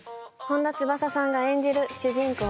本田翼さんが演じる主人公